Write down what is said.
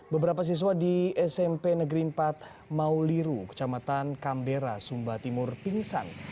beberapa siswa di smp negeri empat mauliru kecamatan kambera sumba timur pingsan